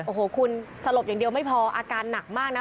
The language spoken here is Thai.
โอ้โหคุณสลบอย่างเดียวไม่พออาการหนักมากนะ